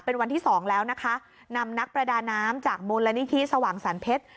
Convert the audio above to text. เป็นวันที่สองแล้วนะคะนำนักประดาน้ำจากมูลนิธิสว่างสรรเพชร